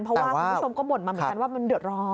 เพราะว่าคุณผู้ชมก็บ่นมาเหมือนกันว่ามันเดือดร้อน